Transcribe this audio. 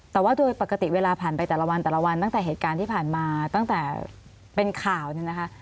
แต่ว่าโดยปกติเวลาผ่านไปแต่ละวันแต่ละวันตั้งแต่เหตุการณ์ที่ผ่านมาตั้งแต่เป็นข่าวเนี่ยนะคะ